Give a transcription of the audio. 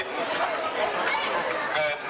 เงิน๒๐บาท๑๐บาทมันรวมเป็น๑๕๐ล้านได้